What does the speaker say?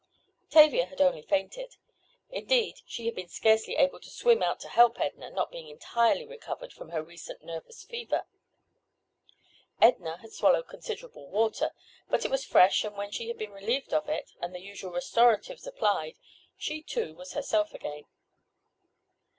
Tavia had only fainted. Indeed she had been scarcely able to swim out to help Edna, not being entirely recovered from her recent nervous fever. Edna had swallowed considerable water, but it was fresh, and when she had been relieved of it, and the usual restoratives applied, she, too, was herself again.